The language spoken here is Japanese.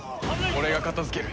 俺が片付ける。